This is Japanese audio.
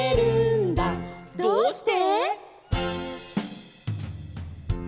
「どうして？」